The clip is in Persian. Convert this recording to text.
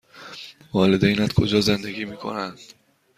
والدینت کجا زندگی می کنند؟